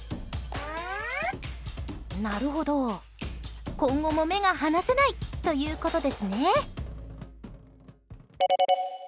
なるほど、今後も目が離せないということですね！